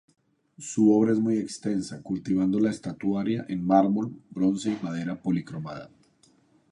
Su obra es muy extensa, cultivando la estatuaria en mármol, bronce y madera policromada.